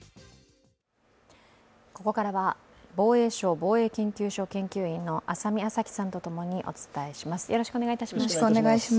ここからは防衛省防衛研究所研究員の浅見明咲さんとともにお伝えします。